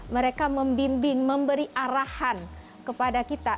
mereka membimbing memberi arahan kepada kita